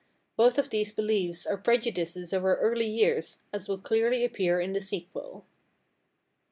Both these beliefs are prejudices of our early years, as will clearly appear in the sequel.